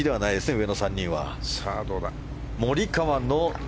上の３人は。